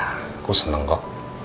aku seneng kok